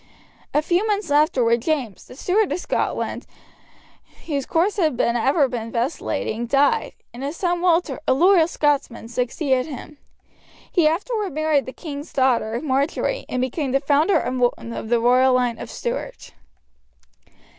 A few months afterwards James, the Steward of Scotland, whose course had ever been vacillating, died, and his son Walter, a loyal Scotsman, succeeded him. He afterwards married the king's daughter Marjory, and became the founder of the royal line of Stuart.